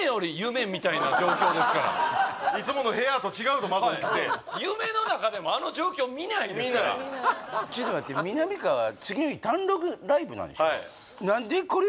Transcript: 確かにいつもの部屋と違うとまず起きて夢の中でもあの状況見ないですからちょっと待ってみなみかわ次の日単独ライブなんでしょ？